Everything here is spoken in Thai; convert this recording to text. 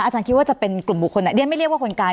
อาจารย์คิดว่าจะเป็นกลุ่มบุคคลเรียนไม่เรียกว่าคนกลาง